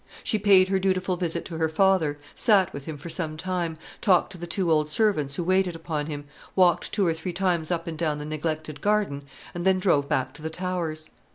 She paid her dutiful visit to her father, sat with him for some time, talked to the two old servants who waited upon him, walked two or three times up and down the neglected garden, and then drove back to the Towers.